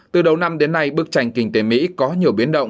từ đầu năm đến nay bức tranh kinh tế mỹ có nhiều biến động